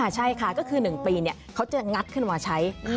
ใช่ค่ะก็คือ๑ปีเขาจะงัดขึ้นมาใช้